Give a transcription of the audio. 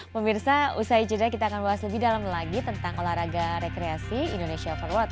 pemirsa usai jeda kita akan bahas lebih dalam lagi tentang olahraga rekreasi indonesia forward